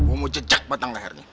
gue mau jejak batang lehernya